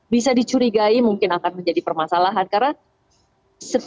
bisa dicurigai mungkin akan menjadi permasalahan karena